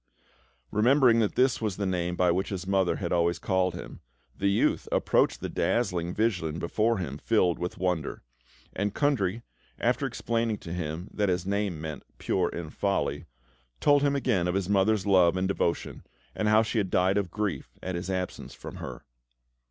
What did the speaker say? Remembering that this was the name by which his mother had always called him, the youth approached the dazzling vision before him, filled with wonder; and Kundry, after explaining to him that his name meant "Pure in Folly," told him again of his mother's love and devotion, and how she had died of grief at his absence from her.